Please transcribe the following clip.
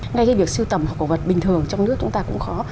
ngay cái việc sưu tầm cổ vật bình thường trong nước chúng ta cũng khó